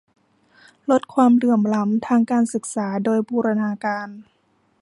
ลดความเหลื่อมล้ำทางการศึกษาโดยบูรณาการ